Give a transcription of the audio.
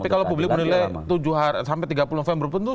tapi kalau publik menilai tujuh sampai tiga puluh fan berpunuh